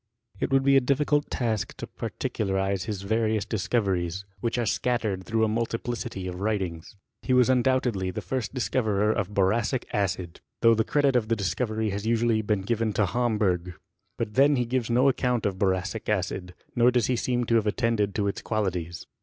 It would be a diffirult task to particularize bis various discoveries, which are scattered through a mul tiphcity of writings. He was undoubtedly the first ' discoverer of botacic acid, thougb the credit of the discovery has usually been given to Homberg.* But then he givea no account of boracic acid, nor does he seem to have attended to its qualities.